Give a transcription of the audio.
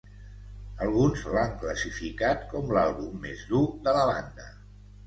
Alguns l'han classificat com l'àlbum més dur de la banda.